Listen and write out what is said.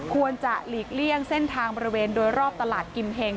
ควรจะหลีกเลี่ยงเส้นทางบริเวณโดยรอบตลาดกิมเฮง